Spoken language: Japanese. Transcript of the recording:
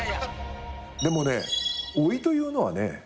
でもね老いというのはね。